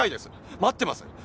待ってます。